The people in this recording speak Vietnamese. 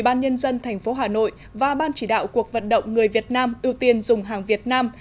ban nhân dân thành phố hà nội và ban chỉ đạo cuộc vận động người việt nam ưu tiên dùng hàng việt nam